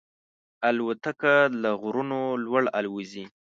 الوتکه له غرونو لوړ الوزي.